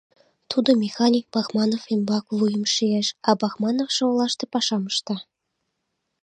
Тудо механик Бахманов ӱмбак вуйым шиеш, а Бахмановшо олаште пашам ышта.